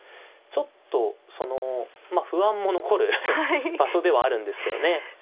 ちょっとそのまあ不安も残る場所ではあるんですけどね。